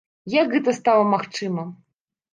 Як гэта стала магчыма?